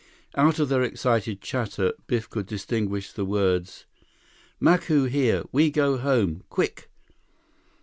Out of their excited chatter, Biff could distinguish the words: "Macu here! We go home—quick!"